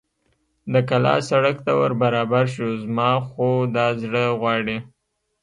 د کلا سړک ته ور برابر شو، زما خو دا زړه غواړي.